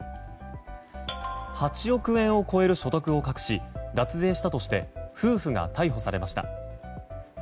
８億円を超える所得を隠し脱税したとして夫婦が逮捕されました。